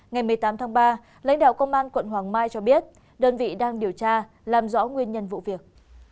ngày một mươi tám tháng ba lãnh đạo công an quận hoàng mai cho biết đơn vị đang điều tra làm rõ nguyên nhân vụ việc